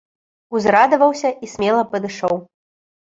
Узрадаваўся і смела падышоў.